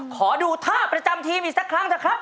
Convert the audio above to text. ขอดูท่าประจำทีมอีกสักครั้งนะครับ